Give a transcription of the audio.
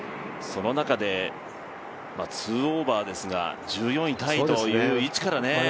その中で２オーバーですが、１４位タイという位置からね。